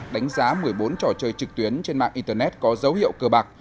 đánh giá một mươi bốn trò chơi trực tuyến trên mạng internet có dấu hiệu cơ bạc